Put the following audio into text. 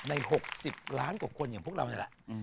ในหกสิบล้านกว่าคนอย่างพวกเราแหละอืม